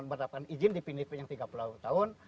mendapatkan izin di filipina yang tiga puluh tahun